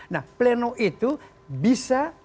nah pleno itu bisa